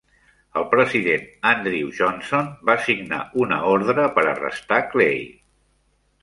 El president Andrew Johnson va signar una ordre per arrestar Clay.